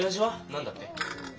何だって？